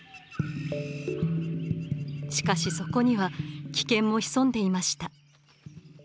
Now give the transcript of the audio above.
しかしそこには危険も潜んでいました。